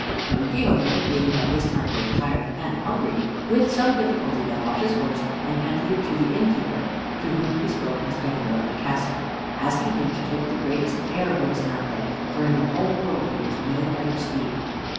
Don Quixote being by this time both tired and hungry, with some difficulty got off his horse and handed it to the innkeeper (to whom he spoke as governor of the castle), asking him to take the greatest care of "Rozinante," for in the whole world there was no better steed.